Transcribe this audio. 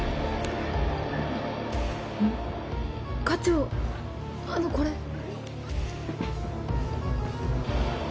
課長あのこれ。